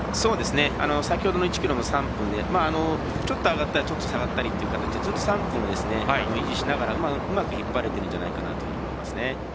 先ほどの１ｋｍの３分でちょっと上がったりちょっと下がったりというところずっと３分を維持しながらうまく引っ張れてるんじゃないかなと思います。